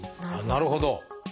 なるほど！